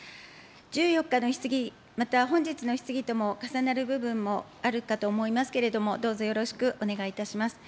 １４日の質疑、また本日の質疑とも重なる部分もあるかと思いますけれども、どうぞよろしくお願いいたします。